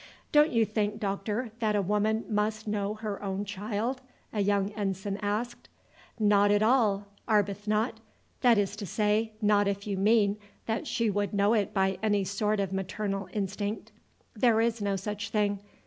"Don't you think, doctor, that a woman must know her own child?" a young ensign asked. "Not at all, Arbuthnot; that is to say, not if you mean that she would know it by any sort of maternal instinct. There is no such thing.